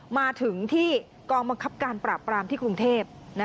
มาถึงที่กองบังคับการปราบปรามที่กรุงเทพ